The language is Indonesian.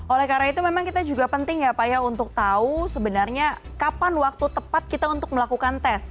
oleh karena itu memang kita juga penting ya pak ya untuk tahu sebenarnya kapan waktu tepat kita untuk melakukan tes